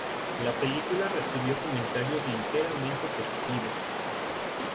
La película recibió comentarios ligeramente positivos.